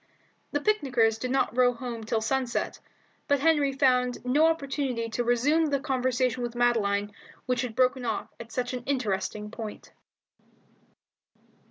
The picnickers did not row home till sunset, but Henry found no opportunity to resume the conversation with Madeline which had been broken off at such an interesting point.